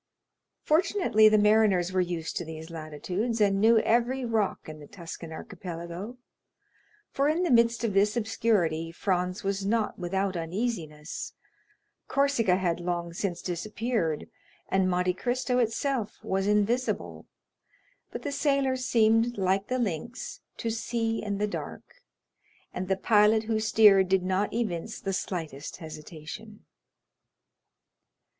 Fortunately, the mariners were used to these latitudes, and knew every rock in the Tuscan Archipelago; for in the midst of this obscurity Franz was not without uneasiness—Corsica had long since disappeared, and Monte Cristo itself was invisible; but the sailors seemed, like the lynx, to see in the dark, and the pilot who steered did not evince the slightest hesitation.